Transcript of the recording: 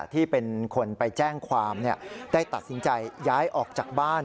ที่เป็นคนไปแจ้งความได้ตัดสินใจย้ายออกจากบ้าน